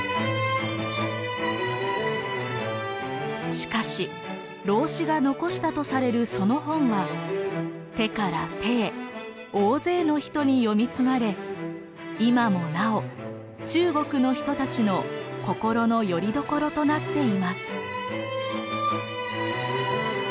しかし老子が残したとされるその本は手から手へ大勢の人に読み継がれ今もなお中国の人たちの心のよりどころとなっています。